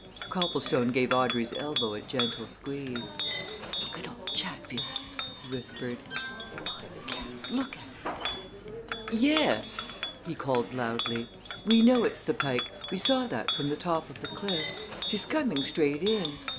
_" Copplestone gave Audrey's elbow a gentle squeeze. "Look at old Chatfield!" he whispered. "By gad! look at him. Yes," he called out loudly, "We know it's the Pike we saw that from the top of the cliffs. She's coming straight in."